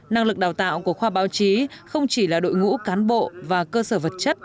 năng lực đào tạo của khoa báo chí không chỉ là đội ngũ cán bộ và cơ sở vật chất